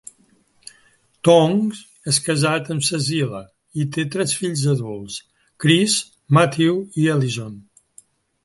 Tonks és casat amb Cecile i té tres fills adults: Chris, Matthew i Alison.